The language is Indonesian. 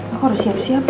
aku harus siap siap